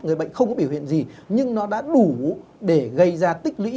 người bệnh không có biểu hiện gì nhưng nó đã đủ để gây ra tích lũy